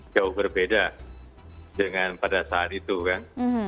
jauh berbeda dengan pada saat itu kan